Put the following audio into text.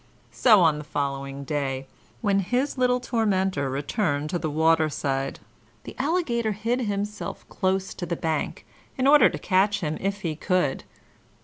So on the following day, when his little tormentor returned to the waterside, the Alligator hid himself close to the bank, in order to catch him if he could.